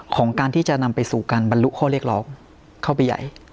ของการที่จะนำไปสู่การบรรลุข้อเรียกร้องเข้าไปใหญ่